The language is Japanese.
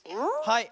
はい。